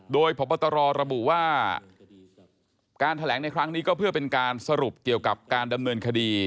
โดยพบตรระบุว่าการแถลงในครั้งนี้ก็เพื่อเป็นการสรุปเกี่ยวกับการดำเนินคดี